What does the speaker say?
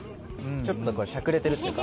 ちょっとしゃくれてるっていうか。